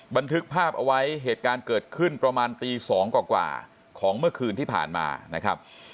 บันทึกภาพเอาไว้เหตุการณ์เกิดขึ้นประมาณตี๒กว่าของเมื่อคืนที่ผ่านมานะครับ